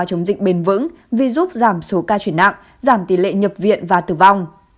chống dịch bền vững vì giúp giảm số ca chuyển nặng giảm tỷ lệ nhập viện và tử vong